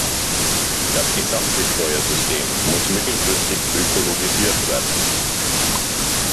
Das gesamte Steuersystem muss mittelfristig ökologisiert werden.